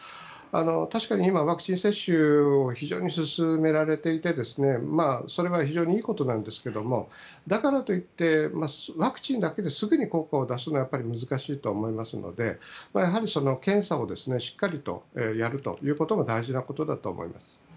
確かに今、ワクチン接種を非常に進められていてそれは非常にいいことなんですがだからといってワクチンだけですぐに効果を出すのはやっぱり難しいと思いますので検査をしっかりとやるということも大事なことだと思います。